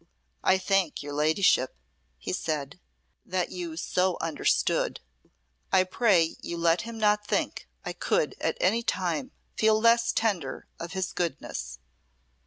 "I thank your Ladyship," he said, "that you so understood. I pray you let him not think I could at any time feel less tender of his goodness."